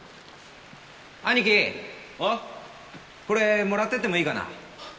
これもらってってもいいかな？